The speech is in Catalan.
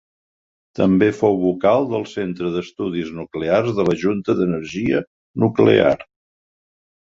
També fou vocal del Centre d'Estudis Nuclears de la Junta d'Energia Nuclear.